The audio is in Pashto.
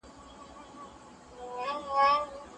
د بيان ازادي د هر انسان حق دی.